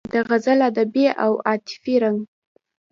د غزل ادبي او عاطفي رنګ